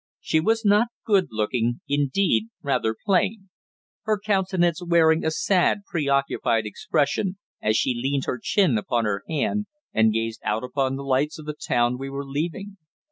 She was not good looking, indeed rather plain; her countenance wearing a sad, pre occupied expression as she leaned her chin upon her hand and gazed out upon the lights of the town we were leaving.